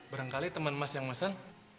barangkali temen mas yang pesen